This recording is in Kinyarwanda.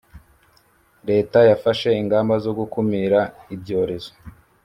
leta yafashe ingamba zo gukumira ibyorezo